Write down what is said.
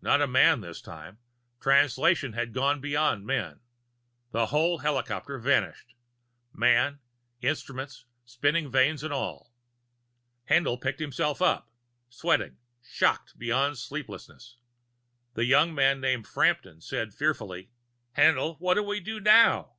Not a man this time Translation had gone beyond men. The whole helicopter vanished, man, instruments, spinning vanes and all. Haendl picked himself up, sweating, shocked beyond sleepiness. The young man named Frampton said fearfully: "Haendl, what do we do now?"